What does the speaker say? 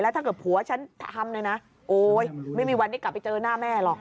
ถ้าเกิดผัวฉันทำเลยนะโอ๊ยไม่มีวันได้กลับไปเจอหน้าแม่หรอก